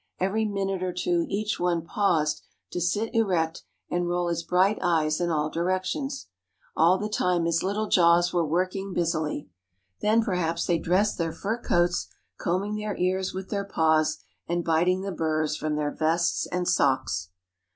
Every minute or two each one paused to sit erect, and roll his bright eyes in all directions. All the time his little jaws were working busily. Then perhaps they dressed their fur coats, combing their ears with their paws, and biting the burrs from their vests and socks.